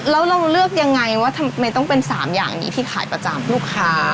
แล้วเราเลือกยังไงว่าทำไมต้องเป็น๓อย่างนี้ที่ขายประจำลูกค้า